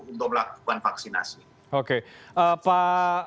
jadi itu adalah kekuatan politik yang menjadi penghambat untuk melakukan vaksinasi